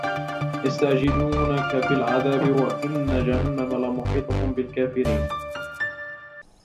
يستعجلونك بالعذاب وإن جهنم لمحيطة بالكافرين